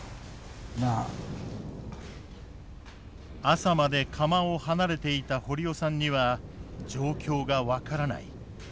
朝まで釜を離れていた堀尾さんには状況が分からない。